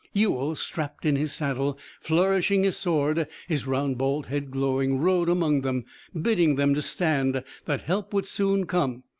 Ewell, strapped in his saddle, flourishing his sword, his round, bald head glowing, rode among them, bidding them to stand, that help would soon come.